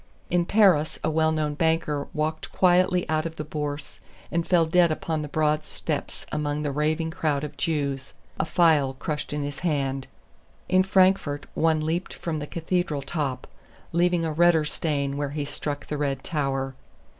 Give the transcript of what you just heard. In Paris a well known banker walked quietly out of the Bourse and fell dead upon the broad steps among the raving crowd of Jews, a phial crushed in his hand. In Frankfort one leaped from the Cathedral top, leaving a redder stain where he struck the red tower.